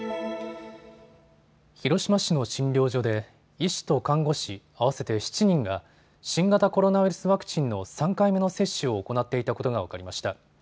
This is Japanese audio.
広島市の診療所で医師と看護師、合わせて７人が新型コロナウイルスワクチンの３回目の接種を行っていたことが分かりました。